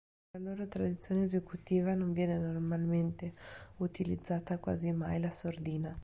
Nella loro tradizione esecutiva non viene normalmente utilizzata quasi mai la sordina.